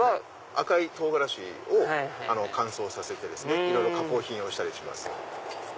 赤い唐辛子を乾燥させていろいろ加工をしたりします。